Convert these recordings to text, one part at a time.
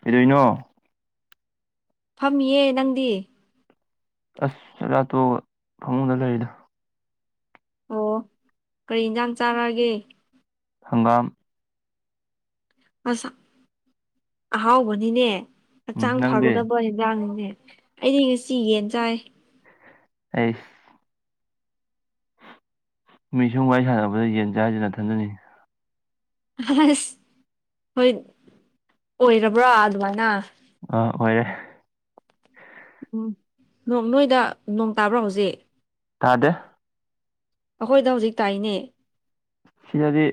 ꯀꯩꯗꯧꯔꯤꯅꯣ ꯐꯝꯃꯤꯌꯦ ꯅꯪꯗꯤ ꯑꯁ ꯆꯛꯆꯥ ꯇꯣꯛꯑꯒ ꯐꯃꯨꯡꯗ ꯂꯩꯔꯤꯗ ꯑꯣ ꯀꯔꯤ ꯌꯦꯟꯁꯥꯡ ꯆꯥꯔꯛꯑꯒꯦ ꯍꯪꯒꯥꯝ ꯑꯁ ꯑꯍꯥꯎꯕꯅꯤꯅꯦ ꯎꯝ ꯍꯛꯆꯥꯡ ꯅꯪꯗꯤ ꯐꯒꯗꯕ ꯍꯟꯖꯥꯡꯅꯤꯅꯦ ꯑꯩꯗꯤ ꯉꯁꯤ ꯌꯦꯟ ꯆꯥꯏ ꯑꯩꯁ ꯃꯤꯁꯨꯝ ꯋꯥꯔꯤ ꯁꯥꯟꯅꯕꯗ ꯌꯦꯟ ꯆꯥꯢꯁꯤ ꯅꯥꯊꯟꯗꯅꯤ ꯑꯁ ꯍꯣꯏ ꯑꯣꯏꯔꯕ꯭ꯔꯥ ꯑꯗꯨꯃꯥꯏꯅ ꯑ ꯑꯣꯏꯔꯦ ꯎꯝ ꯅꯣꯏꯗ ꯅꯣꯡ ꯇꯥꯕ꯭ꯔꯥ ꯍꯧꯖꯤꯛ ꯇꯥꯗꯦ ꯑꯩꯈꯣꯏꯗ ꯍꯧꯖꯤꯛ ꯇꯥꯏꯅꯦ ꯁꯤꯗꯗꯤ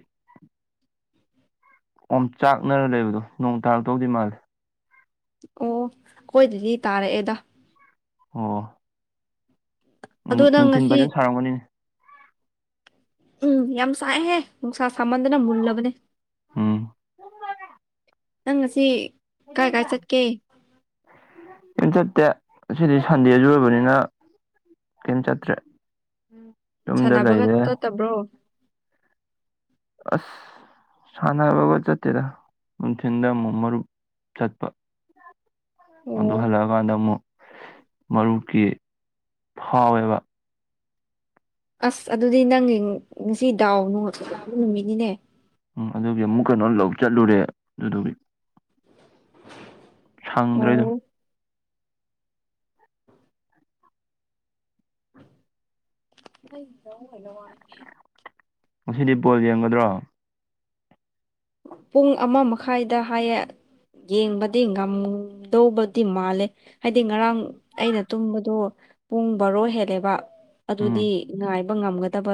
ꯑꯣꯝ ꯆꯥꯛꯅꯔ ꯂꯩꯕꯗꯣ ꯅꯣꯡ ꯇꯥꯔꯛꯇꯧꯗꯤ ꯃꯥꯜꯂꯦ ꯑꯣ ꯑꯩꯈꯣꯏ ꯗꯗꯤ ꯇꯥꯔꯛꯑꯦꯗ ꯑꯣ ꯑꯗꯣ ꯅꯪ ꯅꯨꯡꯊꯤꯟ ꯉꯁꯤ ꯐꯖꯅ ꯁꯥꯔꯝꯒꯅꯤꯅꯦ ꯎꯝ ꯌꯥꯝ ꯁꯥꯏ ꯍꯦ ꯅꯨꯡꯁꯥ ꯁꯥꯃꯟꯗꯅ ꯃꯨꯜꯂꯕꯅꯦ ꯎꯝ ꯅꯪ ꯉꯁꯤ ꯀꯥꯏ ꯀꯥꯏ ꯆꯠꯀꯦ ꯀꯩꯝꯆꯠ ꯇꯦ ꯉꯁꯤꯗꯤ ꯁꯟꯗꯦꯁꯨꯨ ꯑꯣꯢꯕꯅꯤꯅ ꯀꯩꯝ ꯆꯠꯇ꯭ꯔꯦ ꯌꯨꯝꯗ ꯁꯥꯅꯥꯕꯒ ꯂꯩꯔꯦ ꯆꯠꯇꯕ꯭ꯔꯣ ꯑꯁ ꯁꯥꯟꯅꯕꯒ ꯆꯠꯇꯦꯗꯥ ꯅꯨꯡꯊꯤꯟꯗ ꯑꯃꯨꯛ ꯃꯔꯨꯞ ꯆꯠꯄ ꯑꯗꯨ ꯑꯣ ꯍꯜꯂꯛꯑꯀꯥꯟꯗ ꯑꯃꯨꯛ ꯃꯔꯨꯞꯀꯤ ꯐꯥꯎꯋꯦꯕ ꯑꯁ ꯑꯗꯨꯗꯤ ꯅꯪꯒꯤ ꯉꯁꯤ ꯗꯥꯎ ꯅꯨꯡ [unintelligible] ꯅꯨꯃꯤꯠꯅꯤꯅꯦ ꯎꯝ ꯑꯗꯨꯒꯤ ꯑꯃꯨꯛ ꯀꯩꯅꯣ ꯂꯧ ꯆꯠꯂꯨꯔꯦ ꯑꯗꯨꯗꯨꯒꯤ ꯁꯪꯗ꯭ꯔꯦ ꯑꯗꯨꯝ ꯑꯣ [unintelligible] ꯉꯁꯤꯗꯤ ꯕꯣꯜ ꯌꯦꯡꯒꯗ꯭ꯔꯣ ꯄꯨꯡ ꯑꯃ ꯃꯈꯥꯏꯗ ꯍꯥꯏꯌꯦ ꯌꯦꯡꯕꯗꯤ ꯉꯝꯗꯧꯕꯗꯤ ꯃꯥꯜꯂꯦ ꯍꯥꯏꯗꯤ ꯉꯔꯥꯡ ꯑꯩꯅ ꯇꯨꯝꯕꯗꯣ ꯄꯨꯡ ꯕꯥꯔꯣ ꯍꯦꯜꯂꯦꯕ ꯎꯝ ꯑꯗꯨꯗꯤ ꯉꯥꯏ ꯉꯝꯒꯗꯕ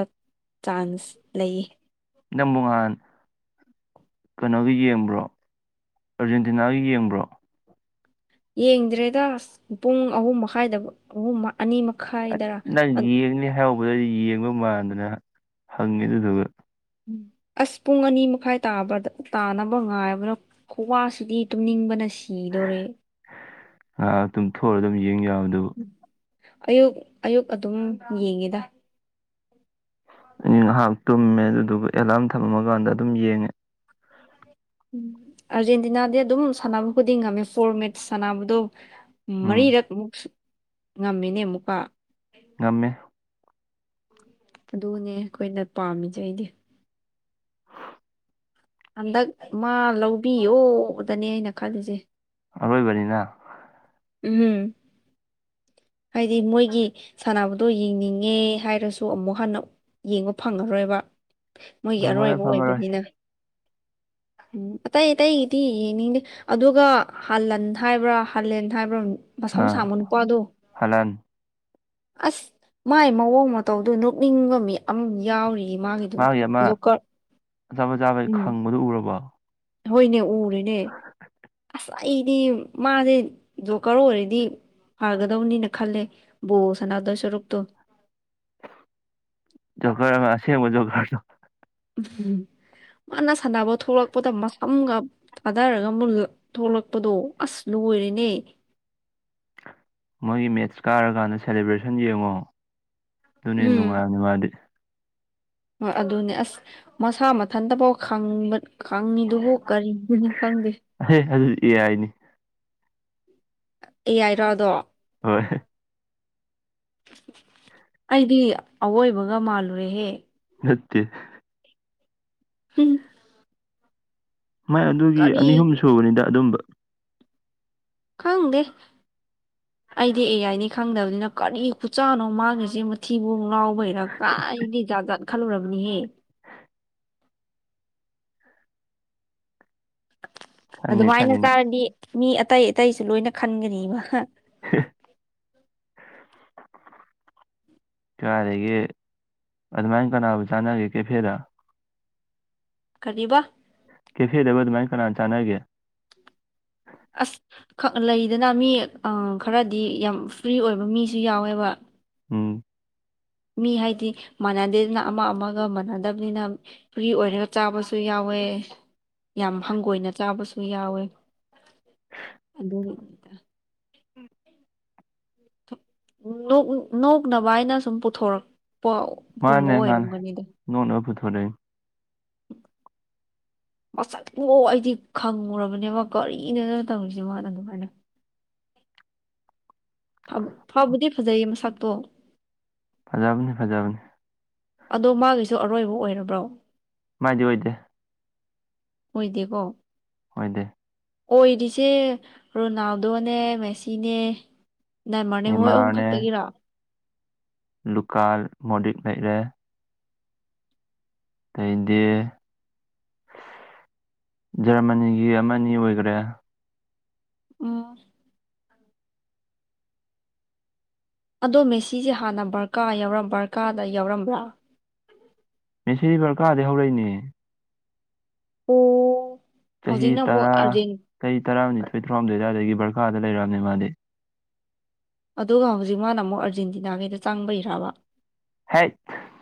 ꯆꯥꯟꯁ ꯂꯩꯌꯦ ꯅꯪꯕꯨꯉꯥꯟ ꯀꯩꯅꯣꯒꯤ ꯌꯦꯡꯕ꯭ꯔꯣ ꯑꯥꯔꯖꯦꯟꯇꯤꯅꯥꯒꯤ ꯌꯦꯡꯕ꯭ꯔꯣ ꯌꯦꯡꯗ꯭ꯔꯦꯗ ꯑꯁ ꯄꯨꯡ ꯑꯍꯨꯝ ꯃꯈꯥꯏꯗꯕꯣ ꯑꯍꯨꯝ ꯃ ꯑꯅꯤ ꯃꯈꯥꯏꯗꯔꯥ ꯑ ꯃꯗꯗꯤ ꯌꯦꯡꯕ ꯃꯥꯟꯗꯅ ꯍꯪꯉꯤ ꯑꯗꯨꯗꯨꯒ ꯑꯁ ꯄꯨꯡ ꯑꯅꯤ ꯃꯈꯥꯏ ꯇꯥꯕꯗ ꯇꯥꯅꯕ ꯉꯥꯏꯕꯗ ꯈꯨꯋꯥꯁꯤꯗꯤ ꯇꯨꯝꯅꯤꯡꯕꯅ ꯁꯤ ꯑ ꯇꯨꯝꯊꯣꯛꯑꯨꯔ ꯑꯗꯨꯝ ꯌꯦꯡ ꯌꯥꯕ ꯑꯗꯨꯕꯨ ꯑꯌꯨꯛ ꯑꯌꯨꯛ ꯑꯗꯨꯝ ꯌꯦꯡꯉꯤꯗ ꯑꯩꯗꯤ ꯉꯍꯥꯛ ꯇꯨꯝꯃꯦ ꯑꯗꯨꯗꯨꯒ ꯑꯦꯂꯥꯝ ꯊꯝꯃꯝꯃꯀꯥꯟꯗ ꯑꯗꯨꯝ ꯌꯦꯡꯉꯦ ꯎꯝ ꯑꯥꯔꯖꯦꯟꯇꯤꯅꯥꯗꯤ ꯑꯗꯨꯝ ꯁꯥꯟꯅꯕ ꯈꯨꯗꯤꯡ ꯉꯝꯃꯦ ꯐꯣꯔ ꯃꯦꯠꯁ ꯁꯥꯟꯅꯕꯗꯣ ꯎꯝ ꯃꯔꯤꯔꯛ ꯃꯨꯛꯁꯨ ꯉꯝꯃꯤꯅꯦ ꯑꯃꯨꯛꯀ ꯉꯝꯃꯦ ꯑꯗꯨꯅꯦ ꯑꯩꯈꯣꯏꯅ ꯄꯥꯝꯃꯤꯖꯦ ꯑꯩꯗꯤ ꯍꯟꯗꯛ ꯃꯥ ꯂꯧꯕꯤꯌꯣꯗꯅꯦ ꯑꯩꯅ ꯈꯜꯂꯤꯖꯦ ꯑꯔꯣꯏꯕꯅꯤꯅ ꯎꯝ ꯍꯥꯏꯗꯤ ꯃꯣꯏꯒꯤ ꯁꯥꯟꯅꯕꯗꯣ ꯌꯦꯡꯅꯤꯡꯉꯦ ꯍꯥꯏꯔꯁꯨ ꯑꯃꯨꯛ ꯍꯟꯅ ꯌꯦꯡꯕ ꯐꯪꯉꯔꯣꯏꯕ ꯃꯣꯏꯒꯤ ꯐꯪꯉꯔꯣꯏ ꯑꯔꯣꯏꯕ ꯐꯪꯉꯔꯣꯏ ꯑꯣꯏꯕꯅꯤꯅ [inaudible] ꯎꯝ ꯑꯇꯩ ꯑꯇꯩꯒꯤꯗꯤ ꯌꯦꯡꯅꯤꯡꯗꯦ ꯑꯗꯨꯒ ꯍꯥꯂꯟ ꯍꯥꯏꯕ꯭ꯔꯥ ꯍꯥꯂꯦꯟ ꯍꯥꯏꯕ꯭ꯔꯥ ꯃꯁꯝ ꯑꯥ ꯁꯥꯡꯕ ꯅꯨꯄꯥꯗꯣ ꯍꯂꯥꯟ ꯑꯁ ꯃꯥꯏ ꯃꯑꯣꯡ ꯃꯇꯧꯗꯨ ꯅꯣꯛꯅꯤꯡꯕ ꯃꯤ ꯑꯃ ꯌꯥꯎꯔꯤ ꯃꯥꯒꯤꯗꯨ ꯃꯥꯒꯤ ꯑꯃ ꯖꯣꯀꯔ ꯑꯆꯥꯄꯣꯠ ꯆꯥꯕꯩ ꯎꯝ ꯈꯪꯕꯗꯨ ꯎꯔꯕꯣ ꯍꯣꯏꯅꯦ ꯎꯔꯦꯅꯦ ꯁ ꯑꯩꯗꯤ ꯃꯥꯖꯦ ꯖꯣꯀꯔ ꯑꯣꯏꯔꯗꯤ ꯐꯒꯗꯧꯅꯤꯅ ꯈꯜꯂꯦ ꯕꯣꯜ ꯁꯥꯟꯅꯗꯣꯏ ꯁꯔꯨꯛꯇꯣ ꯖꯣꯒꯔ ꯑꯃ ꯑꯁꯦꯡꯕ ꯖꯣꯒꯔꯗꯣ ꯎꯝ ꯃꯥꯅ ꯁꯥꯟꯅꯕ ꯊꯣꯂꯛꯄꯗ ꯃꯁꯝꯒ ꯊꯥꯗꯔꯒ ꯃꯨ ꯊꯣꯛꯂꯛꯄꯗꯣ ꯑꯁ ꯂꯨ ꯑꯣꯏꯔꯦꯅꯦ [unintelligible] ꯃꯣꯏꯒꯤ ꯃꯦꯠꯁ ꯀꯥꯔꯀꯥꯟꯗ ꯁꯦꯂꯦꯕ꯭ꯔꯦꯁꯟ ꯌꯦꯡꯉꯣ ꯗꯨꯅ ꯍꯦꯟꯅ ꯎꯝ ꯅꯨꯡꯉꯥꯏꯕꯅꯦ ꯃꯥꯗꯤ ꯍꯣꯏ ꯑꯗꯨꯅꯦ ꯑꯁ ꯃꯁꯥ ꯃꯊꯟꯇꯐꯥꯎ ꯈꯪꯕ ꯈꯪꯉꯤꯗꯨꯕꯨ ꯀꯔꯤꯗꯅꯤ ꯈꯪꯗꯦ ꯑꯍꯦ ꯑꯗꯨ ꯑꯦ ꯑꯥꯏꯅꯤ ꯑꯦ ꯑꯥꯏꯔ ꯑꯗꯣ ꯍꯣꯏ ꯑꯩꯗꯤ ꯑꯋꯣꯏꯕꯒ ꯃꯥꯜꯂꯨꯔꯦꯍꯦ ꯅꯠꯇꯦ ꯎꯝ ꯃꯥꯏ ꯑꯗꯨꯒꯤ ꯑꯅꯤ ꯑꯍꯨꯝ ꯁꯨꯕꯅꯤꯗ ꯑꯗꯨꯝꯕ ꯈꯪꯗꯦ ꯑꯩꯗꯤ ꯑꯦ ꯌꯥꯏꯅꯤ ꯈꯪꯗꯕꯅꯤꯅ ꯀꯔꯤ ꯈꯨꯆꯥꯅꯣ ꯃꯥꯒꯤꯖꯤ ꯃꯊꯤꯕꯣꯡ ꯉꯥꯎꯕꯩꯔ ꯀ ꯑꯩꯗꯤ ꯖꯥꯠ ꯖꯥꯠ ꯈꯜꯂꯨꯔꯕꯅꯤꯍꯦ ꯈꯟꯅꯤ ꯑꯗꯨꯃꯥꯏꯅ ꯈꯟꯅꯤ ꯅꯪ ꯆꯥꯔꯗꯤ ꯃꯤ ꯑꯇꯩ ꯑꯇꯩꯁꯨ ꯂꯣꯏꯅ ꯈꯟꯒꯅꯤꯕ ꯍꯦ ꯀꯥꯏꯗꯒꯤ ꯑꯗꯨꯃꯥꯏꯅ ꯀꯅꯥꯕꯨ ꯆꯥꯟꯅꯔꯤ ꯀꯦꯐꯦꯗ ꯀꯔꯤꯕ ꯀꯦꯐꯦꯗꯕꯨ ꯑꯗꯨꯃꯥꯏ ꯀꯅ ꯆꯥꯟꯅꯒꯦ ꯑꯁ ꯈꯛ ꯂꯩꯗꯅ ꯃꯤ ꯑ ꯈꯔꯗꯤ ꯌꯥꯝ ꯐ꯭ꯔꯤ ꯑꯣꯏꯕ ꯃꯤꯁꯨ ꯌꯥꯎꯋꯦꯕ ꯎꯝ ꯃꯤ ꯍꯥꯏꯗꯤ ꯃꯥꯟꯅꯗꯦꯗꯅ ꯑꯃ ꯑꯃꯒ ꯃꯥꯟꯅꯗꯕꯅꯤꯅ ꯐ꯭ꯔꯤ ꯑꯣꯏꯔꯒ ꯆꯥꯕꯁꯨ ꯌꯥꯎꯋꯤ ꯋꯦ ꯌꯥꯝ ꯍꯪꯒꯣꯏꯅ ꯆꯥꯕꯁꯨ ꯌꯥꯎꯋꯦ ꯑꯗꯨꯒꯤ ꯅꯣꯛ ꯅꯣꯛꯅꯕꯥꯏꯅ ꯁꯨꯝ ꯄꯨꯊꯣꯔꯛ ꯄꯒꯨꯝꯕ ꯑꯣꯏꯔꯝꯒꯅꯤꯗ ꯑꯣꯏꯗꯣꯏꯅꯤ [inaudible] ꯃꯁꯛ [unintelligible] ꯑꯩꯗꯤ ꯈꯪꯉꯨꯔꯕꯅꯦꯕ ꯀꯔꯤꯅꯣꯗ ꯇꯧꯔꯤꯁꯤꯕꯣꯅ ꯑꯗꯨꯃꯥꯏꯅ ꯐ ꯐꯕꯨꯗꯤ ꯐꯖꯩ ꯃꯁꯛꯇꯣ ꯐꯖꯕꯅꯤ ꯐꯖꯕꯅꯤ ꯑꯗꯣ ꯃꯥꯒꯤꯁꯨ ꯑꯔꯣꯏꯕ ꯑꯣꯏꯔꯕ꯭ꯔꯣ ꯃꯥꯏꯗꯤꯗꯤ ꯑꯣꯏꯗꯦ ꯑꯣꯏꯗꯦꯀꯣ ꯑꯣꯏꯗꯦ ꯑꯣꯏꯔꯤꯁꯦ ꯔꯣꯅꯥꯜꯗꯣꯅꯦ ꯃꯦꯁꯤꯅꯦ ꯅꯦꯃꯥꯔꯅꯦ ꯃꯣꯏ ꯑꯍꯨꯝ ꯈꯛꯇꯒꯤꯔꯣ ꯂꯨꯀꯥꯜ ꯃꯣꯗꯤꯛ ꯂꯩꯔꯦ ꯇꯩꯗꯤ ꯖꯔꯃꯅꯤꯒꯤ ꯑꯃꯅꯤ ꯑꯣꯏꯒ꯭ꯔꯦ ꯎꯝ ꯑꯗꯣ ꯃꯦꯁꯤꯖꯦ ꯍꯥꯟꯅ ꯕꯔꯀꯥ ꯌꯥꯎꯔꯝ ꯕꯔꯀꯥꯗ ꯌꯥꯎꯔꯝꯕ꯭ꯔꯥ ꯃꯦꯁꯤ ꯕꯔꯀꯥꯗꯩ ꯍꯧꯔꯛꯏꯅꯦ ꯑꯣ ꯆꯍꯤ ꯍꯧꯖꯤꯛꯅ ꯑꯃꯨꯛ ꯇꯔꯥ ꯑꯥꯔꯖꯦꯟ ꯆꯍꯤ ꯇꯔꯥꯅꯤꯊꯣꯏ ꯇꯔꯥꯍꯨꯝꯗꯣꯏ ꯑꯗ꯭ꯋꯥꯏꯗꯒꯤ ꯕꯔꯀꯦꯗ ꯂꯩꯔꯛꯑꯕꯅꯦ ꯃꯥꯗꯤ ꯑꯗꯨꯒ ꯍꯧꯖꯤꯛ ꯃꯥꯅ ꯑꯃꯨꯛ ꯑꯥꯔꯖꯦꯟꯇꯤꯅꯥꯒꯤꯗ ꯆꯪꯕꯩꯔꯕ ꯍꯩꯠ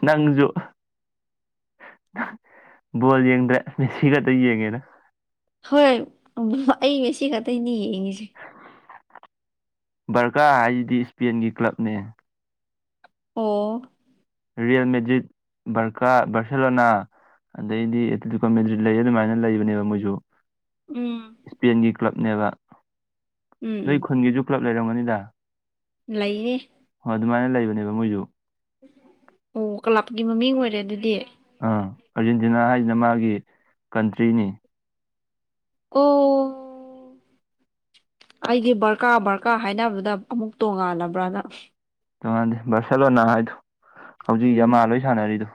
ꯅꯪꯁꯨ ꯕꯣꯜ ꯌꯦꯡꯗꯔꯦ ꯃꯦꯁꯤ ꯈꯛꯇ ꯌꯦꯡꯉꯦꯗ ꯍꯣꯏ ꯎꯝ ꯑꯩ ꯃꯦꯁꯤ ꯈꯇꯩꯅꯤ ꯌꯦꯡꯉꯤꯖꯦ ꯕꯔꯀꯥ ꯍꯥꯏꯖꯤꯗꯤ ꯏꯁꯄꯦꯟꯒꯤ ꯀ꯭ꯂꯕꯅꯦ ꯑꯣ ꯔꯤꯌꯦꯜ ꯃꯦꯖꯤꯠ ꯕꯔꯀꯥ ꯕꯔꯁꯦꯂꯣꯅꯥ ꯑꯗꯩꯗꯤ [unintelligible] ꯂꯩ ꯑꯗꯨꯃꯥꯏꯅ ꯂꯩꯕꯅꯦꯕ ꯃꯣꯏꯖꯨ ꯎꯝ ꯀ꯭ꯂꯕꯅꯦꯕ ꯎꯝ ꯅꯣꯏ ꯈꯨꯟꯒꯤꯁꯨ ꯀ꯭ꯂꯕ ꯂꯩꯔꯝꯒꯅꯤꯗ ꯂꯩꯌꯦ ꯍꯣꯏ ꯑꯗꯨꯃꯥꯏꯅ ꯂꯩꯕꯅꯦꯕ ꯃꯣꯏꯖꯨ ꯑꯣ ꯀꯥꯂꯕꯀꯤ ꯃꯃꯤꯡ ꯑꯣꯏꯔꯦ ꯑꯗꯨꯗꯤ ꯑ ꯑꯥꯔꯖꯦꯟꯇꯤꯅꯥ ꯍꯥꯏꯖꯤꯅ ꯃꯥꯒꯤ ꯀꯟꯇ꯭ꯔꯤꯅꯤ ꯑꯣ ꯑꯩꯗꯤ ꯕꯔꯀꯥ ꯕꯔꯀꯥ ꯍꯥꯏꯅꯕꯗꯨꯗ ꯑꯃꯨꯛ ꯇꯣꯡꯉꯥꯜꯂꯕ꯭ꯔꯅ ꯇꯣꯉꯥꯟꯗꯦ ꯕꯥꯔꯁꯦꯂꯣꯅꯥ ꯍꯥꯏꯗꯣ ꯍꯧꯖꯤꯛ ꯎꯝ ꯌꯥꯝꯃꯥꯜ ꯍꯣꯏ ꯁꯥꯅꯔꯤꯗꯣ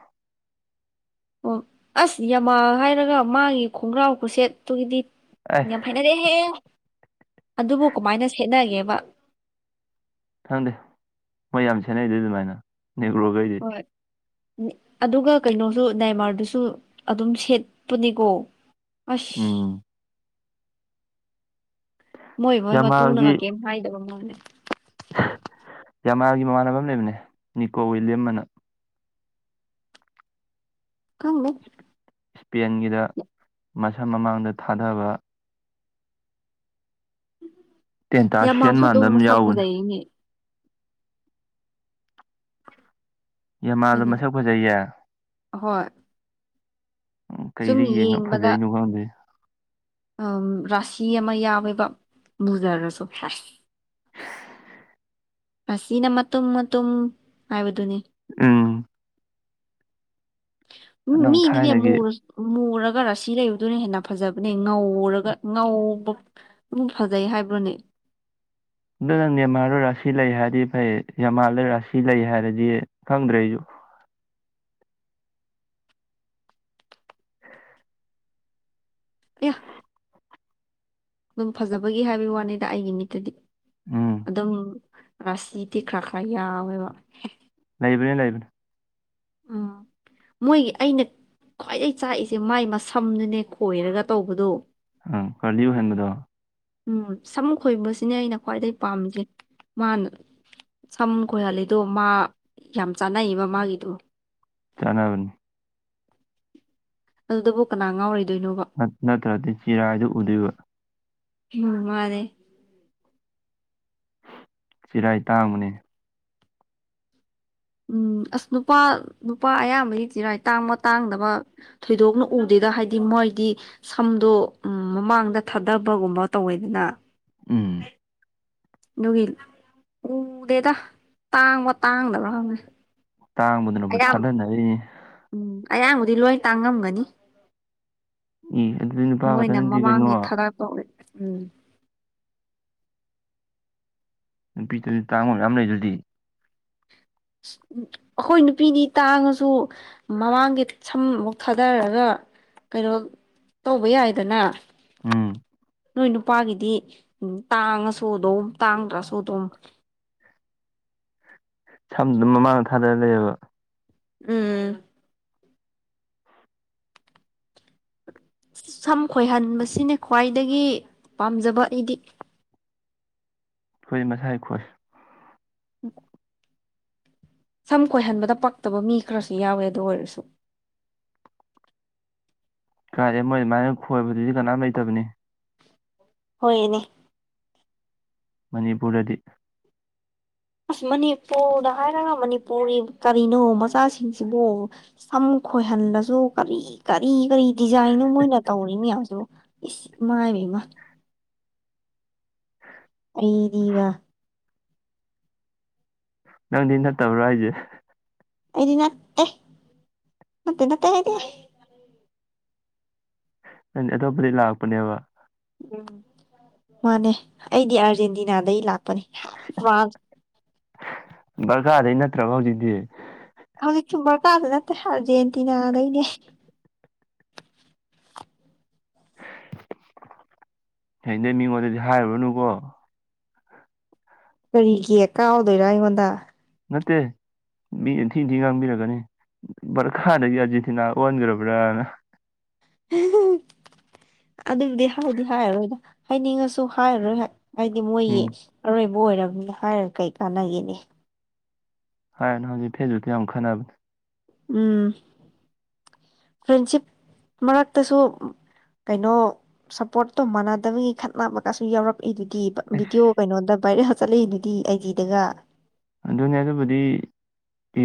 ꯑꯣ ꯑꯁ ꯌꯥꯝꯃꯥꯜ ꯍꯥꯏꯔꯒ ꯃꯥꯒꯤ ꯈꯣꯡꯒ꯭ꯔꯥꯎ ꯈꯨꯁꯦꯠꯇꯨꯗꯤ ꯑꯦ ꯌꯥꯝ ꯍꯩꯅꯗꯦꯍꯦ ꯑꯗꯨꯕꯨ ꯀꯃꯥꯏꯅ ꯁꯦꯠꯅꯒꯦꯕ ꯈꯪꯗꯦ ꯃꯣꯏ ꯌꯥꯝ ꯁꯦꯠꯅꯩꯗꯨꯗꯤ ꯑꯗꯨꯃꯥꯏꯅ ꯅꯦꯒ꯭ꯔꯣꯒꯩꯗꯤ ꯍꯣꯏ ꯑꯗꯨꯒ ꯀꯩꯅꯣꯁꯨ ꯅꯏꯃꯥꯔꯗꯨꯁꯨ ꯑꯗꯨꯝ ꯁꯦꯠꯄꯅꯤꯀꯣ ꯑꯁ ꯎꯝ ꯃꯣꯏ ꯃꯣꯏ ꯃꯇꯨꯅꯒ ꯀꯩꯝ ꯍꯥꯏꯗꯕ ꯃꯥꯜꯂꯦ ꯍꯥ ꯌꯥꯃꯥꯜꯒꯤ ꯃꯃꯥꯟꯅꯕ ꯑꯃ ꯂꯩꯕꯅꯦ ꯅꯤꯀꯣ ꯋꯤꯂꯤꯌꯝ ꯑꯅ ꯈꯪꯗꯦ ꯁ꯭ꯄꯦꯟꯒꯤꯗ ꯃꯁꯝ ꯃꯃꯥꯡꯗ ꯊꯥꯗꯕ ꯇꯦꯟꯇꯥꯁꯤꯌꯟ ꯌꯥꯝꯃꯥꯁꯨ ꯑꯗꯨꯝ ꯃꯥꯟꯕ ꯑꯃ ꯃꯁꯛ ꯌꯥꯎꯕꯅꯦ ꯐꯖꯩꯑꯦꯅꯦ ꯌꯥꯃꯥꯜꯗꯣ ꯀꯩꯅꯣ ꯃꯁꯛ ꯐꯖꯩꯌꯦ ꯍꯣꯏ ꯎ ꯁꯨꯝ ꯀꯩꯗ ꯌꯦꯡꯉ ꯌꯦꯡꯕꯗ ꯐꯖꯩꯅꯣ ꯈꯪꯗꯦ ꯑꯝ ꯔꯥꯁꯤ ꯑꯃ ꯌꯥꯎꯋꯦꯕ ꯃꯨꯖꯔꯁꯨ ꯁꯦꯁ ꯔꯥꯁꯤꯅ ꯃꯇꯨꯝ ꯃꯇꯨꯝ ꯍꯥꯏꯕꯗꯨꯅꯤ ꯎꯝ ꯅꯪ ꯎꯝꯃꯤꯗꯤꯅꯦ ꯊꯥꯏꯅꯒꯤ ꯃꯨꯔꯁ ꯃꯨꯔ ꯔꯒ ꯔꯥꯁꯤ ꯂꯩꯕꯗꯨꯅ ꯍꯦꯟꯅ ꯐꯖꯕꯅꯦ ꯉꯧꯔꯒ ꯉꯧꯕ ꯑꯃꯨꯛ ꯐꯖꯩ ꯍꯥꯏꯕ꯭ꯔꯣꯅꯦ [inaudible] ꯑꯗꯣ ꯅꯪ ꯅꯦꯃꯥꯔꯗꯣ ꯔꯥꯁꯤ ꯂꯩ ꯍꯥꯏꯔꯗꯤ ꯐꯩ ꯌꯥꯝꯃꯥꯜꯗ ꯔꯥꯁꯤ ꯂꯩ ꯍꯥꯏꯔꯗꯤ ꯈꯪꯗ꯭ꯔꯦ ꯑꯩꯖꯨ ꯑꯌꯥ ꯑꯗꯨꯝ ꯐꯖꯕꯒꯤ ꯍꯥꯏꯕꯒꯤ ꯋꯥꯅꯤꯗ ꯑꯩꯒꯤ ꯃꯤꯠꯇꯗꯤ ꯎꯝ ꯑꯗꯨꯝ ꯔꯥꯁꯤꯗꯤ ꯈꯔ ꯈꯔ ꯌꯥꯎꯋꯦꯕ ꯍꯦ ꯂꯩꯥꯕꯅꯦ ꯂꯩꯥꯕꯅꯦ ꯎꯝ ꯃꯣꯏꯒꯤ ꯑꯩꯅ ꯈ꯭ꯋꯥꯏꯗꯩ ꯆꯥꯛꯏꯁꯦ ꯃꯥꯏ ꯃꯁꯝꯗꯨꯅꯦ ꯈꯣꯏꯔꯒ ꯇꯧꯕꯗꯣ ꯑꯪ ꯀꯔꯂꯤ ꯑꯣꯏꯍꯟꯕꯗꯣ ꯎꯝ ꯁꯝ ꯈꯣꯏꯕꯁꯤꯅꯦ ꯑꯩꯅ ꯈ꯭ꯋꯥꯏꯗꯒꯤ ꯄꯥꯝꯃꯤꯖꯦ ꯃꯥꯅ ꯁꯝ ꯈꯣꯏꯍꯜꯂꯤꯗꯣ ꯃꯥ ꯌꯥꯝ ꯆꯥꯅꯩꯕ ꯃꯥꯒꯤꯗꯣ ꯆꯥꯅꯕꯅꯤ ꯑꯗꯨꯗꯕꯨ ꯉꯥꯎꯔꯣꯢ ꯅꯠ ꯅꯠꯇ꯭ꯔꯗꯤ ꯆꯤꯔꯥꯢꯗꯣ ꯎꯗꯨꯢꯕ ꯎꯝ ꯃꯥꯟꯅꯦ ꯆꯤꯔꯥꯏ ꯇꯥꯡꯕꯅꯦ ꯎꯝ ꯑꯁ ꯅꯨꯄꯥ ꯅꯨꯄꯥ ꯑꯌꯥꯝꯕꯒꯤ ꯆꯤꯔꯥꯏ ꯇꯥꯡꯕ ꯇꯥꯡꯗꯕ ꯊꯣꯏꯗꯣꯛꯅ ꯎꯗꯦ ꯗꯥ ꯍꯥꯏꯗꯤ ꯃꯣꯏꯗꯤ ꯁꯝꯗꯣ ꯎꯝ ꯃꯃꯥꯡꯗ ꯊꯥꯙꯕꯒꯨꯝꯕ ꯇꯧꯋꯦꯗꯅꯥ ꯎꯪ ꯑꯗꯨꯒꯤ ꯎꯗꯦ ꯗꯥ ꯇꯥꯡꯕ꯭ꯔꯥ ꯇꯥꯡꯗꯕ꯭ꯔꯥ ꯈꯪꯗꯦ ꯇꯥꯡꯕꯗꯨꯅꯕꯨ ꯑꯌꯥꯝ ꯊꯥꯗꯥꯅꯔꯤꯅꯤ ꯎꯝ ꯑꯌꯥꯝꯕꯗꯤ ꯂꯣꯏ ꯇꯥꯡꯉꯝꯒꯅꯤ ꯏ ꯑꯗꯨꯗꯤ ꯅꯨꯄꯥ ꯃꯣꯏꯅ ꯈꯛꯇꯅꯗꯤ ꯃꯃꯥꯡꯒꯤ ꯀꯩꯅꯣ ꯊꯔꯥꯛ ꯇꯧꯋꯦ ꯎꯪ ꯅꯨꯄꯤꯗꯖꯨ ꯇꯥꯡꯕ ꯌꯥꯝ ꯂꯩꯗꯨꯗꯤ ꯑꯩꯈꯣꯏ ꯅꯨꯄꯤꯅꯤ ꯇꯥꯡꯉꯁꯨ ꯃꯃꯥꯡꯒꯤ ꯁꯝ ꯃꯨꯛ ꯊꯥꯗꯔꯒ ꯀꯩꯅꯣ ꯇꯧꯕꯌꯥꯏꯗꯅ ꯎꯪ ꯅꯣꯏ ꯅꯨꯄꯥꯒꯤꯗꯤ ꯇꯥꯡꯉꯥꯁꯨ ꯑꯗꯨꯝ ꯇꯥꯡꯗ꯭ꯔꯁꯨ ꯑꯗꯨꯝ ꯁꯝꯗꯨꯝ ꯃꯃꯥꯡꯗ ꯊꯥꯗ ꯂꯩꯔꯕ ꯎꯝ ꯁꯝꯈꯣꯏꯍꯟꯕꯁꯤꯅꯦ ꯈ꯭ꯋꯥꯏꯗꯒꯤ ꯄꯥꯝꯖꯕ ꯑꯩꯗꯤ ꯈꯣꯌ ꯃꯁꯥꯏ ꯈꯣꯏ INAUDIBLE ꯁꯝꯈꯣꯏꯍꯟꯕꯗ ꯄꯛꯇꯕ ꯃꯤ ꯈꯔꯁꯨ ꯌꯥꯎꯋꯦ ꯑꯗꯨ ꯑꯣꯏꯔꯖꯨ ꯀꯥꯏꯗꯩ ꯃꯣꯏꯃꯥꯏꯅ ꯈꯣꯏꯕꯗꯨꯗꯤ ꯀꯅꯥꯝ ꯂꯩꯇꯕꯅꯤ ꯍꯣꯌ ꯏꯅꯦ ꯃꯅꯤꯄꯨꯔꯗꯗꯤ ꯑꯥꯁ ꯃꯅꯤꯄꯨꯔꯗ ꯍꯥꯏꯔꯒ ꯃꯅꯤꯄꯨꯔꯤ ꯀꯔꯤꯅꯣ ꯃꯆꯥꯁꯤꯡꯁꯤꯕꯨ ꯁꯝ ꯈꯣꯏꯍꯜꯂꯖꯨ ꯀꯔꯤ ꯀꯔꯤ ꯀꯔꯤ ꯗꯤꯖꯥꯏꯟꯅꯣ ꯃꯣꯏꯅ ꯇꯧꯔꯤ ꯃꯌꯥꯝꯖꯤꯕꯨ ꯏꯁ ꯏꯃꯥꯏꯕꯦꯝꯃ INAUDIBLE ꯑꯩꯗꯤ ꯕꯥ ꯅꯪꯗꯤ ꯅꯠꯇꯕ꯭ꯔꯥ ꯍꯥꯏꯖꯦ ꯑꯩꯗꯤ ꯅꯠ ꯇꯦ ꯅꯠꯇꯦ ꯅꯠꯇꯦ ꯑꯩꯗꯤ ꯅꯪ ꯗꯤ ꯑꯇꯣꯞꯄꯗꯒꯤ ꯂꯥꯛꯄꯅꯦꯕ ꯃꯥꯟꯅꯦ ꯑꯩꯗꯤ ꯑꯥꯔꯖꯦꯟꯇꯤꯅꯥꯗꯩ ꯂꯥꯛ ꯄꯅꯤ ꯂꯥꯛ ꯄꯅꯤ ꯒꯥꯥꯔꯗꯩ ꯅꯠꯇ꯭ꯔꯕꯣꯍꯧꯖꯤꯛꯇꯤ ꯍꯧꯖꯤꯛꯁꯨ ꯒꯥꯔꯗꯩ ꯅꯠꯇꯦ ꯑꯥꯔꯖꯦꯟꯇꯤꯅꯥꯗꯩꯅꯦ INAUDIBLE ꯍꯌꯦꯡꯗꯩ ꯃꯤꯉꯣꯟꯗꯗꯤ ꯍꯥꯌꯔꯨꯔꯅꯨꯀꯣ ꯀꯔꯤꯒꯤ ꯀꯥꯎꯗꯣꯏꯔ ꯑꯩꯉꯣꯟꯗ ꯅꯠꯇꯦ ꯃꯤ ꯊꯤ ꯊꯤ ꯉꯥꯡꯕꯤꯔꯛꯀꯅꯤ ꯚꯥꯔꯗꯒꯤ ꯑꯥꯔꯖꯦꯟꯇꯤꯅꯥ ꯑꯣꯟꯈ꯭ꯔꯕ꯭ꯔꯥ ꯑꯗꯨꯕꯨꯗꯤ ꯍꯥꯌꯗꯤ ꯍꯥꯌꯔꯔꯣꯏꯗ ꯍꯥꯌꯅꯤꯡꯉꯁꯨ ꯍꯥꯌꯔꯔꯣꯏ ꯍꯥꯏꯗꯤ ꯃꯣꯏꯒꯤ ꯎꯝ ꯑꯔꯣꯏꯕ ꯑꯣꯏꯝꯅꯤꯅ ꯍꯥꯏꯔ ꯀꯩ ꯀꯥꯟꯅꯒꯦꯅꯦ UNINTELLIGIBLE ꯎꯝ ꯐ꯭ꯔꯦꯟꯁꯤꯞ ꯃꯔꯛꯇꯁꯨ ꯀꯩꯅꯣ ꯁꯞꯄꯣꯔꯠꯇꯣ ꯃꯥꯟꯅꯗꯕꯩ ꯈꯠꯅꯕꯒꯖꯨ ꯌꯥꯎꯔꯛ ꯑꯩꯗꯤ ꯀꯤꯕ ꯑꯁ ꯚꯤꯗꯤꯑꯣ ꯀꯩꯅꯣꯗ ꯚꯥꯏꯔꯦꯜ ꯆꯠꯂꯛꯏꯑꯗꯨꯗꯤ ꯑꯥꯏ ꯖꯤꯗꯒ ꯑꯗꯨꯅꯦ ꯑꯗꯨꯕꯨꯗꯤ ꯏ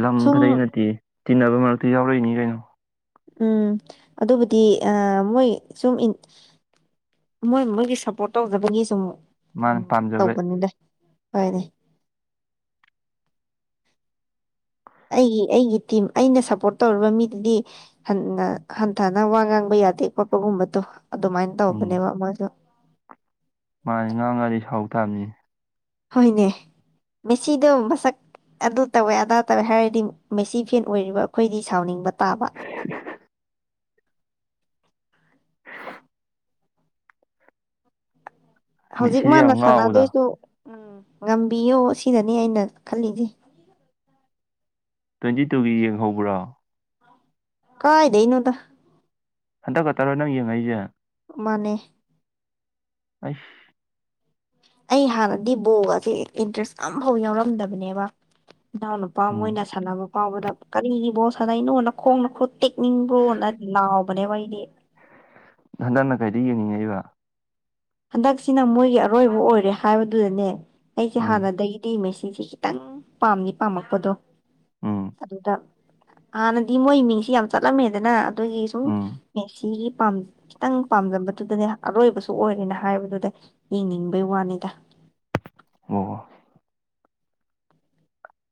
ꯂꯝ ꯁꯨꯝ ꯈꯠꯇꯩꯩ ꯅꯠꯇꯦ ꯇꯤꯟꯅꯕ ꯃꯔꯛꯇ ꯌꯥꯎꯔꯛꯏꯅꯤ ꯀꯩꯅꯣ ꯎꯪ ꯑꯗꯨꯕꯨꯗꯤ ꯑꯥ ꯃꯣꯏ ꯁꯨꯝ ꯢꯟ ꯃꯣꯏ ꯃꯣꯏꯒꯤ ꯁꯞꯄꯣꯔꯠ ꯇꯧꯖꯕꯒꯤ ꯁꯨꯝ ꯎꯝ ꯃꯥꯅ ꯄꯥꯝꯖꯕ ꯇꯧꯕꯅꯤꯗ ꯍꯣꯢꯅꯦ ꯑꯩꯒꯤ ꯑꯩꯒꯤ ꯇꯤꯝ ꯑꯩꯅ ꯁꯞꯄꯣꯔꯠ ꯇꯧꯔꯤꯕ ꯃꯤꯗꯨꯗꯤ ꯍꯟꯅ ꯍꯟꯊꯅ ꯋꯥ ꯉꯥꯡꯕ ꯌꯥꯗꯦ ꯈꯣꯠꯄꯒꯨꯝꯕꯗꯨ ꯑꯗꯨꯃꯥꯏꯟ ꯎꯝ ꯇꯧꯕꯅꯦꯕ ꯃꯥꯁꯨ ꯇꯥꯃꯤ ꯍꯣꯏꯅꯦ ꯃꯦꯁꯤꯗꯣ ꯃꯁꯛ ꯑꯗꯨ ꯇꯧꯋꯦ ꯑꯗꯥ ꯇꯧꯋꯦ ꯍꯥꯏꯔꯗꯤ ꯃꯦꯁꯤ ꯐꯦꯟ ꯑꯣꯏꯔꯤꯕ ꯑꯈꯣꯏꯗꯤ ꯁꯥꯎꯅꯤꯡꯕ ꯇꯥꯕ ꯍꯧꯖꯤꯛ ꯃꯦꯁꯤꯗꯤ ꯃꯥꯅ ꯌꯥꯝ ꯉꯥꯎꯕꯗꯣ ꯁꯥꯟꯅꯗꯣꯏꯁꯨ ꯎꯝ ꯉꯝꯕꯤꯌꯣ ꯁꯤꯗꯅꯦ ꯑꯩꯅ ꯈꯜꯂꯤꯖꯦ ꯇ꯭ꯋꯦꯟꯇꯤ ꯇꯨꯒꯤ ꯌꯦꯡꯍꯧꯕ꯭ꯔꯣ ꯀꯥꯏꯗꯩꯅꯣꯗ ꯍꯟꯇꯛ ꯈꯛꯇꯔꯣ ꯅꯪ ꯌꯦꯡꯉꯛꯏꯖꯦ ꯃꯥꯅꯦ ꯑꯩꯁ ꯑꯩ ꯍꯥꯟꯅꯗꯤ ꯕꯣꯜꯒꯁꯦ ꯏꯟꯇ꯭ꯔꯦꯁ ꯑꯝꯐꯥꯎ ꯌꯥꯎꯔꯝꯗꯕꯅꯦꯕ ꯏꯅꯥꯎꯅꯨꯄꯥ ꯎꯝ ꯃꯣꯏꯅ ꯁꯥꯟꯅꯕ ꯐꯥꯎꯕꯗ ꯀꯔꯤꯒꯤ ꯕꯣꯜ ꯁꯥꯟꯅꯩꯅꯣ ꯅꯈꯣꯡ ꯅꯈꯨꯠ ꯇꯦꯛꯅꯤꯡꯕ꯭ꯔꯣꯅ ꯂꯥꯎꯕꯅꯦꯕ ꯑꯩꯗꯤ ꯍꯟꯗꯛꯅ ꯀꯩꯗ ꯌꯦꯡꯅꯤꯡꯉꯛꯏꯕ ꯍꯟꯗꯛꯁꯤꯅ ꯃꯣꯏꯒꯤ ꯑꯔꯣꯏꯕ ꯑꯣꯏꯔꯦ ꯍꯥꯏꯕꯗꯨꯗꯅꯦ ꯑꯩꯁꯦ ꯎꯝ ꯍꯥꯟꯅꯗꯒꯤꯗꯤ ꯃꯦꯁꯤ ꯁꯤꯁꯦ ꯈꯤꯇꯪ ꯄꯥꯝꯗꯤ ꯄꯥꯝꯃꯛꯄꯗꯣ ꯎꯝ ꯑꯗꯨꯗ ꯍꯥꯟꯅꯗꯤ ꯃꯣꯏ ꯃꯤꯡꯁꯤ ꯌꯥꯝ ꯆꯠꯂꯝꯃꯦꯗꯅ ꯑꯗꯨꯒꯤ ꯁꯨꯝ ꯎꯝ ꯃꯦꯁꯤꯒꯤ ꯄꯥꯝ ꯈꯤꯇꯪ ꯄꯥꯝꯂꯝꯕꯗꯨꯗꯅꯦ ꯑꯔꯣꯏꯕꯁꯨ ꯑꯣꯏꯔꯦꯅ ꯍꯥꯏꯕꯗꯨꯗ ꯌꯦꯡꯅꯤꯡꯕꯩ ꯋꯥꯅꯤꯗ ꯑꯣ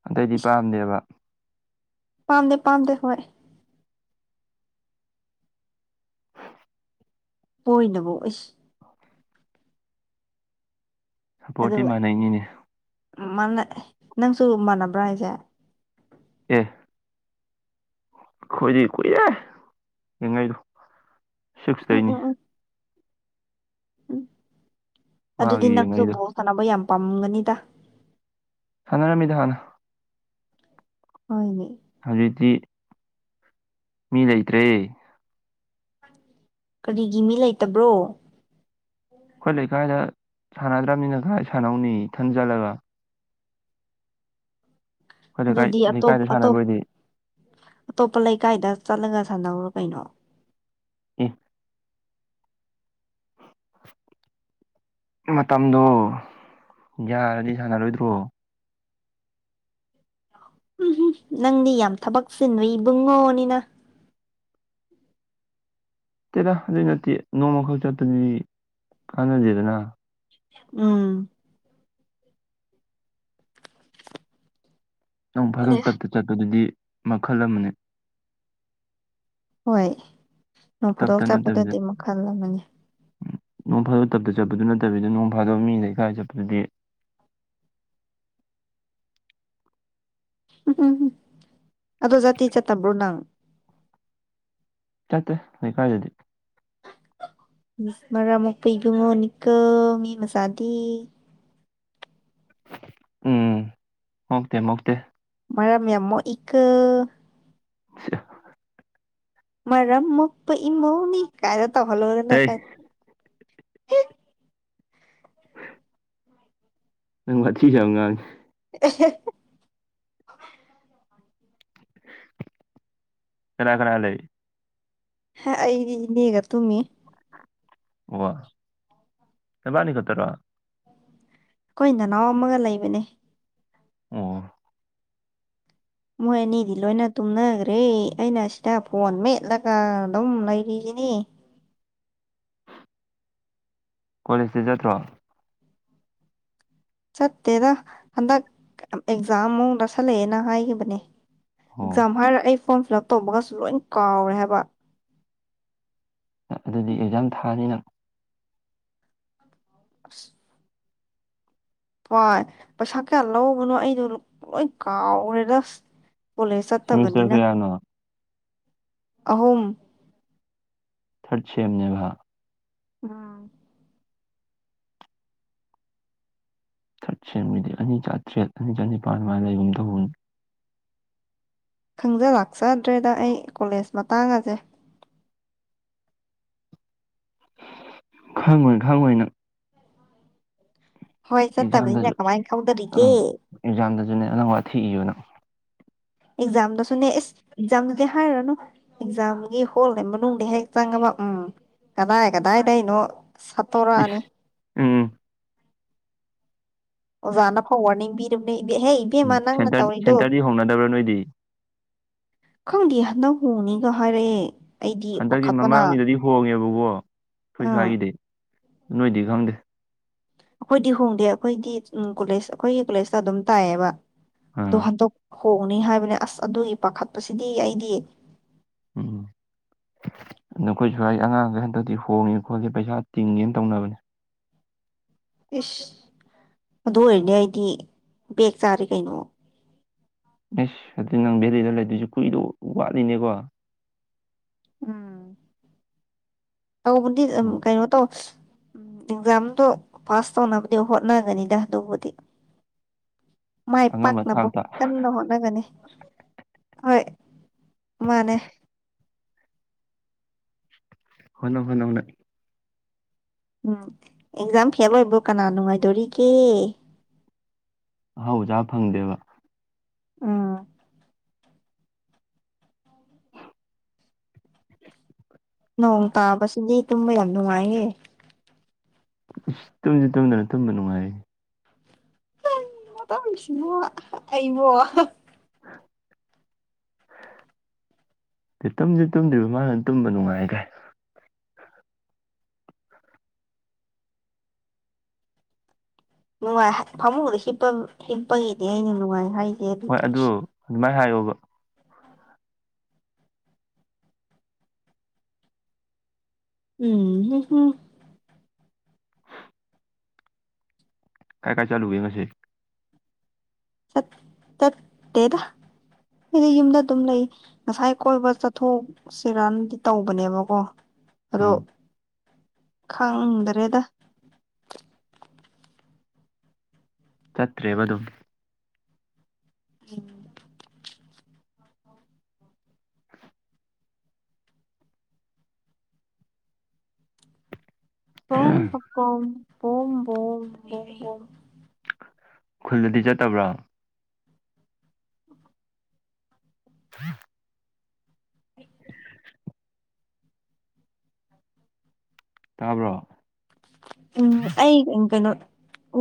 ꯑꯇꯩꯗꯤ ꯏꯁ ꯄꯥꯝꯗꯦꯕ ꯄꯥꯝꯗꯦ ꯄꯥꯝꯗꯦ ꯍꯣꯏ ꯄꯣꯏꯅꯕꯣ ꯢꯁ ꯁꯞꯄꯣꯔꯠꯇꯤ ꯃꯥꯟꯅꯩꯅꯤꯅꯦ ꯎꯝ ꯃꯥꯅꯩꯑꯦ ꯅꯪꯁꯨ ꯃꯥꯟꯅꯕ꯭ꯔꯥ ꯍꯥꯢꯁꯦ ꯑꯦ ꯈꯣꯏꯗꯤ ꯀꯨꯢꯔꯦ ꯌꯦꯡꯉꯩꯗꯣ ꯎꯝ ꯁꯤꯛꯁꯇꯩꯅꯤ ꯎꯝ ꯎꯝ ꯎꯝ ꯑꯗꯨꯗꯤ ꯃꯥꯒꯤ ꯅꯪꯁꯨ ꯌꯦꯡꯉꯛꯏꯗꯣ ꯕꯣꯜ ꯁꯥꯟꯅꯕ ꯌꯥꯝ ꯄꯥꯝꯃꯝꯒꯅꯤꯗ ꯁꯥꯟꯅꯔꯝꯃꯤꯗ ꯍꯥꯟꯅ ꯍꯣꯢꯅꯦ ꯍꯧꯖꯤꯛꯇꯤ ꯃꯤ ꯂꯩꯇ꯭ꯔꯦ ꯀꯔꯤꯒꯤ ꯃꯤ ꯂꯩꯇꯕ꯭ꯔꯣ ꯈꯣꯏ ꯂꯩꯀꯥꯏꯗ ꯁꯥꯟꯅꯗ꯭ꯔꯝꯅꯤꯅ ꯀꯥꯏ ꯁꯥꯟꯅꯧꯅꯤ ꯏꯊꯟ ꯆꯠꯂꯒ ꯑꯩꯈꯣꯏ ꯂꯩꯀꯥꯏ ꯑꯗꯨꯗꯤ ꯑꯇꯣꯞ ꯂꯩꯀꯥꯏꯗ ꯑꯇꯣꯞ ꯁꯥꯟꯅꯕ ꯑꯣꯏꯗꯤ ꯑꯇꯣꯞꯄ ꯂꯩꯀꯥꯏꯗ ꯆꯠꯂꯒ ꯁꯥꯟꯅꯧꯔꯣ ꯀꯩꯅꯣ ꯑꯦ ꯃꯇꯝꯗꯣ ꯌꯥꯔꯗꯤ ꯁꯥꯟꯅꯔꯣꯏꯗ꯭ꯔꯣ ꯎꯝꯍꯝ ꯅꯪꯗꯤ ꯌꯥꯝ ꯊꯕꯛ ꯆꯤꯟꯕ ꯏꯕꯨꯡꯉꯣꯅꯤꯅ ꯇꯦꯗ ꯑꯗꯨꯢ ꯅꯠꯇꯦ ꯅꯣꯡꯃꯈꯛ ꯆꯠꯄꯗꯨꯗꯤ ꯀꯥꯟꯅꯗꯦꯗꯅ ꯎꯝ ꯅꯣꯡ ꯐꯥꯗꯣꯛ ꯆꯠꯄ ꯆꯠꯄꯗꯨꯗꯤ ꯃꯈꯜ ꯑꯃꯅꯦ ꯍꯣꯏ ꯅꯣꯡ ꯐꯥꯗꯣꯛ ꯇꯞꯇ ꯅꯠꯇꯕꯤꯗ ꯆꯠꯄꯗꯨꯗꯤ ꯃꯈꯜ ꯑꯃꯅꯤ ꯅꯣꯡ ꯐꯥꯗꯣꯛ ꯇꯞꯇ ꯆꯠꯄꯗꯨ ꯅꯠꯇꯕꯤꯗ ꯅꯣꯡ ꯐꯥꯗꯣꯛ ꯃꯤꯂꯩꯀꯥꯢ ꯆꯠꯄꯗꯨꯗꯤ ꯎꯝ ꯎꯝ ꯎꯝ ꯑꯗꯣ ꯆꯠꯇꯤ ꯆꯠꯇꯥꯕꯣ ꯅꯪ ꯆꯠꯇꯦ ꯂꯩꯀꯥꯏꯗꯗꯤ ꯃꯔꯝ ꯃꯣꯛꯄ ꯏꯕꯨꯡꯉꯣ ꯅꯤꯀꯣ ꯃꯤ ꯃꯆꯥꯥꯗꯤ ꯎꯝ ꯃꯣꯛꯇꯦ ꯃꯣꯛꯇꯦ ꯃꯔꯝ ꯌꯥꯝ ꯃꯣꯛꯏꯀꯣ ꯃꯔꯝ ꯃꯣꯛꯄ ꯏꯃꯧꯅꯤ ꯀꯥꯢꯅ ꯇꯧꯍꯜꯂꯨꯔ ꯅꯪ ꯍꯩ ꯅꯪ ꯋꯥꯊꯤꯁꯦ ꯌꯥꯝ ꯉꯥꯡꯉꯦ ꯑꯦꯍꯦ ꯍꯦ ꯀꯅꯥ ꯀꯅꯥ ꯂꯩ ꯍꯥ ꯑꯩꯗꯤ ꯃꯤꯒ ꯇꯨꯝꯃꯤ ꯋꯥ ꯅꯕꯥꯅꯤ ꯈꯠꯇꯔꯣ ꯑꯩꯈꯣꯏ ꯅꯅꯥꯎ ꯑꯃꯒ ꯂꯩꯕꯅꯦ ꯑꯣ ꯃꯣꯏ ꯑꯅꯤꯗꯤ ꯂꯣꯏꯅ ꯇꯨꯝꯅꯈ꯭ꯔꯦ ꯑꯩꯅ ꯁꯤꯗ ꯐꯣꯟ ꯃꯦꯠꯂꯒ ꯑꯗꯨꯝ ꯂꯩꯔꯤꯁꯤ ꯅꯤ ꯀꯣꯂꯦꯖꯇꯤ ꯆꯠꯇ꯭ꯔꯣ ꯆꯠꯇꯦꯗ ꯍꯟꯗꯛ ꯑꯦꯛꯖꯥꯝꯃꯨꯛ ꯅꯛꯁꯜꯂꯛꯑꯦꯅ ꯍꯥꯏꯈꯤꯕꯅꯦ ꯑꯣ ꯑꯦꯛꯖꯥꯝ ꯍꯥꯏꯔ ꯑꯩ ꯐꯣꯔꯝ ꯐꯤꯜ ꯑꯞ ꯇꯧꯕꯒꯥꯁꯨ ꯂꯣꯏ ꯀꯥꯎꯔꯦ ꯍꯥꯏꯕ ꯑꯗꯨꯗꯤ ꯑꯦꯛꯖꯥꯝ ꯊꯥꯅꯤ ꯅꯪ ꯑꯁ ꯍꯣꯏ ꯄꯩꯁꯥ ꯀꯌꯥ ꯂꯧꯕꯅꯣ ꯑꯩꯗꯣ ꯂꯣꯏ ꯀꯥꯎꯒ꯭ꯔꯦꯗ ꯀꯣꯂꯦꯖ ꯁꯦꯃꯤꯁꯇꯔ ꯆꯠꯇꯕꯅꯤꯅ ꯀꯌꯥꯅꯣ ꯑꯍꯨꯝ ꯊꯔꯠ ꯁꯦꯝꯅꯦꯕ ꯎꯝ ꯊꯔꯠ ꯁꯦꯝꯒꯤꯗꯤ ꯑꯅꯤ ꯆꯥꯇ꯭ꯔꯦꯠ ꯑꯅꯤ ꯆꯅꯤꯄꯥꯥꯟ ꯑꯗꯨꯃꯥꯏꯅ ꯂꯩꯒꯨꯝ ꯇꯧꯕꯅꯤ ꯈꯪꯖ ꯂꯥꯛꯆꯗ꯭ꯔꯦꯗ ꯑꯩ ꯀꯣꯂꯦꯖ ꯃꯇꯥꯡ ꯑꯁꯦ ꯈꯪꯉꯣꯏ ꯈꯪꯉꯣꯏ ꯅꯪ ꯍꯣꯏ ꯆꯠꯇꯕꯅꯤꯅ ꯑꯦꯛꯖꯥꯝꯗꯁꯨ ꯀꯃꯥꯏꯅ ꯈꯪꯗꯔꯤꯒꯦ ꯑꯥ ꯑꯦꯛꯖꯥꯝꯗꯁꯨꯅꯦ ꯅꯪ ꯋꯥꯊꯤ ꯏꯌꯨ ꯅꯪ ꯑꯦꯛꯖꯥꯝꯗꯁꯨꯅꯦ ꯏꯁ ꯑꯦꯛꯖꯥꯝꯗꯨꯗꯤ ꯍꯥꯏꯔꯨꯔꯅꯨ ꯑꯦꯛꯖꯥꯝꯒꯤ ꯍꯣꯜꯒꯤ ꯃꯅꯨꯡꯗ ꯍꯦꯛ ꯆꯥꯡꯉꯕ ꯎꯝ ꯀꯗꯥꯢ ꯀꯗꯥꯏꯗꯩꯅꯣ ꯁꯠꯇꯣꯔꯛꯑꯅꯤ ꯏꯁ ꯎꯝ ꯑꯣꯖꯥꯅꯐꯥꯎ ꯋꯥꯔꯅꯤꯡ ꯄꯤꯔꯕꯅꯦ ꯑꯩ ꯍꯦ ꯏꯕꯦꯝꯃ ꯅꯪꯅ ꯁꯦꯟꯇꯔ ꯇꯧꯔꯤꯗꯨ ꯁꯦꯟꯇꯔꯗꯤ ꯍꯣꯡꯅꯗꯕ꯭ꯔꯥ ꯅꯣꯏꯗꯤ ꯈꯪꯗꯦ ꯍꯟꯗꯛ ꯍꯣꯡꯅꯤꯒ ꯍꯥꯏꯔꯛꯑꯦ ꯑꯩꯗꯤ ꯍꯟꯗꯛꯀꯤ ꯄꯥꯈꯠꯄꯅ ꯃꯃꯥꯡꯒꯤꯗꯗꯤ ꯍꯣꯡꯉꯦꯕ ꯑꯣ ꯈꯣꯏ ꯑꯥ ꯁ꯭ꯋꯥꯏꯒꯤꯗꯤ ꯅꯣꯏꯗꯤ ꯈꯪꯗꯦ ꯑꯩꯈꯣꯏꯗꯤ ꯍꯣꯡꯗꯦ ꯑꯩꯈꯣꯏꯒꯤ ꯎꯝ ꯀꯣꯂꯦꯖ ꯑꯩꯈꯣꯏꯒꯤ ꯀꯣꯂꯦꯖꯇ ꯑꯗꯨꯝ ꯇꯥꯏꯌꯦꯕ ꯑꯗꯨ ꯑꯥ ꯍꯟꯗꯛ ꯍꯣꯡꯅꯤ ꯍꯥꯏꯕꯅꯦ ꯑꯁ ꯑꯗꯨꯒꯤ ꯄꯥꯈꯠꯄꯁꯤꯗꯤ ꯑꯩꯗꯤ ꯎꯝ ꯅꯈꯣꯏ ꯁ꯭ꯋꯥꯏ ꯑꯉꯥꯡꯒꯩ ꯍꯟꯗꯛꯇꯤ ꯍꯣꯡꯉꯦ ꯈꯣꯠꯂꯦ ꯄꯩꯁꯥ ꯇꯤꯡꯉꯦꯅ ꯇꯧꯅꯕꯅꯦ ꯏꯁꯁ ꯑꯗꯨ ꯑꯣꯏꯔꯗꯤ ꯑꯩꯗꯤ ꯕꯦꯛ ꯆꯥꯔꯦ ꯀꯩꯅꯣ ꯏꯁ ꯑꯗꯨ ꯅꯪ ꯚꯦꯂꯤꯗ ꯂꯩꯗꯣꯏꯁꯦ ꯀꯨꯏꯗꯣ ꯋꯥꯠꯂꯤꯅꯦꯀꯣ ꯎꯝ ꯇꯧꯕꯗꯤ ꯑꯝ ꯎꯝ ꯀꯩꯅꯣ ꯇꯧ ꯎꯝ ꯑꯦꯛꯖꯥꯝꯗꯣ ꯄꯥꯁ ꯇꯧꯅꯕꯗꯤ ꯍꯣꯠꯅꯒꯅꯤꯗ ꯑꯗꯨꯕꯨꯗꯤ [inaudible] ꯃꯥꯏ ꯑꯉꯝꯕ ꯄꯥꯛꯅꯕ ꯊꯥꯛꯇ ꯀꯟꯅ ꯍꯣꯠꯅꯒꯅꯤ ꯍꯣꯏ ꯃꯥꯅꯦ ꯍꯣꯠꯅꯧ ꯍꯣꯠꯅꯧ ꯅꯪ ꯎꯝ ꯑꯦꯛꯖꯥꯝ ꯐꯦꯜ ꯑꯣꯏꯕꯨ ꯀꯅꯥ ꯅꯨꯡꯉꯥꯏꯗꯧꯔꯤꯒꯦ ꯑꯍꯥꯎꯕ ꯆꯥ ꯐꯪꯗꯦꯕ ꯎꯝ ꯅꯣꯡ ꯇꯥꯕꯁꯤꯗꯤ ꯇꯨꯝꯕ ꯌꯥꯝ ꯅꯨꯡꯉꯥꯏꯌꯦꯦ ꯏꯁ ꯇꯨꯝꯁꯨ ꯇꯨꯝꯗꯅ ꯇꯨꯝꯕ ꯅꯨꯡꯉꯥꯏꯑꯦ ꯀꯩꯅꯣ ꯇꯧꯔꯤꯁꯤꯕꯣ ꯑꯩꯕꯣ [inaudible] ꯇꯨꯝꯁꯨ ꯇꯨꯝꯗ꯭ꯔꯤꯕ ꯃꯥꯅ ꯇꯨꯝꯕ ꯅꯨꯡꯉꯥꯏ ꯀꯥꯏ ꯅꯨꯡꯉꯥꯏ ꯐꯃꯨꯡꯗ ꯍꯤꯞꯄ ꯍꯤꯞꯄꯒꯤꯗꯤ ꯑꯩꯅ ꯅꯨꯡꯉꯥꯏ ꯍꯥꯏ ꯍꯣꯏ ꯑꯗꯨ ꯑꯗꯨꯃꯥꯏꯅ ꯍꯥꯏꯌꯣꯕ ꯎꯝ ꯍ ꯍꯝ ꯀꯥꯏ ꯀꯥꯏ ꯆꯥꯂꯨꯒꯦ ꯉꯁꯤ ꯆꯠ ꯆꯠꯇꯦꯗ ꯑꯩꯗꯤ ꯌꯨꯝꯗ ꯑꯗꯨꯝ ꯂꯩ ꯉꯁꯥꯏ ꯀꯣꯏꯕ ꯆꯠꯊꯣꯛꯁꯤꯔꯅꯗꯤ ꯇꯧꯕꯅꯦꯕꯀꯣ ꯑꯗꯣ ꯎꯝ ꯈꯪꯗꯔꯦꯗ ꯆꯠꯇ꯭ꯔꯦꯕꯗꯨꯨꯝ ꯎꯝ [inaudible] ꯄꯣꯝ ꯄ ꯄꯣꯝ ꯄꯣꯝ ꯕꯣꯝ ꯕꯣꯝ ꯈꯨꯜꯗꯗꯤ ꯆꯠꯇꯕ꯭ꯔꯥ [inaudible] [inaudible] ꯇꯥꯕ꯭ꯔꯣ ꯎꯝ ꯑꯩ ꯀꯩꯅꯣ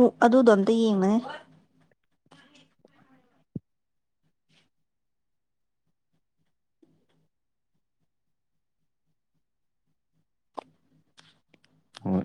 ꯎ ꯑꯗꯨꯗꯣ ꯑꯝꯇ ꯌꯦꯡꯉꯨꯅꯦ ꯍꯣꯢ